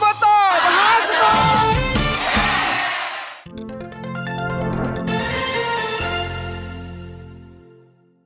อบตมหาสนุก